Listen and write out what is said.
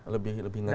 lebih lebih lagi lagi